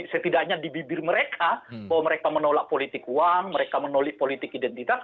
setidaknya di bibir mereka bahwa mereka menolak politik uang mereka menolak politik identitas